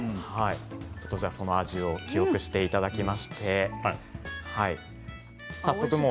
その味を記憶していただきまして。